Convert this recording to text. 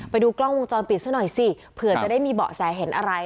ไปดูกล้องวงจรปิดซะหน่อยสิเผื่อจะได้มีเบาะแสเห็นอะไร